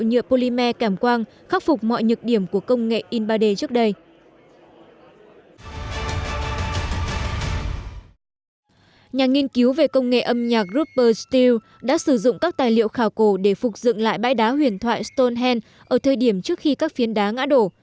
nhà nghiên cứu về công nghệ âm nhạc rupert steele đã sử dụng các tài liệu khảo cổ để phục dựng lại bãi đá huyền thoại stonehenge ở thời điểm trước khi các phiến đá ngã đổ